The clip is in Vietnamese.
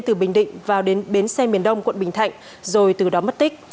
từ bình định vào đến bến xe miền đông quận bình thạnh rồi từ đó mất tích